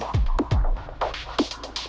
bukan cinta berantem